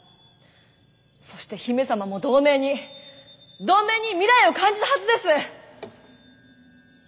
そして姫様も同盟に同盟に未来を感じたはずです！